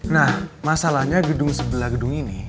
nah masalahnya gedung sebelah gedung ini